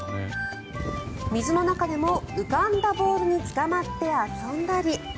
水の中でも浮かんだボールにつかまって遊んだり。